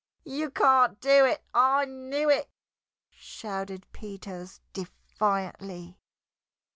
"You can't do it! I knew it!" shouted Peters defiantly.